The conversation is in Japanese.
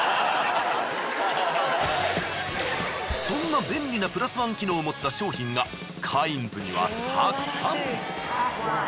そんな便利なプラスワン機能を持った商品がカインズにはたくさん。